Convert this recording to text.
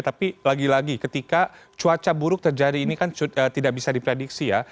tapi lagi lagi ketika cuaca buruk terjadi ini kan tidak bisa diprediksi ya